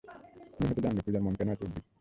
তুমি হয়তো জানবে, পূজার মন কেন এত উদ্বিগ্ন।